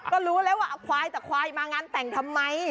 ก็รู้แล้วว่าเอาควายแต่ควายมางานแต่งทำไม